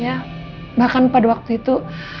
ya bahkan pada waktu itu